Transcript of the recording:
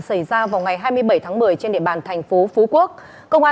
xảy ra vào ngày hai mươi bảy tháng một mươi trên địa bàn thành phố phú quốc